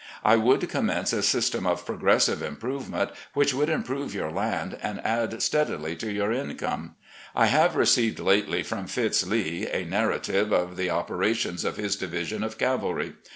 I would commence a system of progressive improvement which woiild improve your land and add steadily to your income. I have received, lately, from Fitz Lee a narrative of the opera tions of his division of cavalry.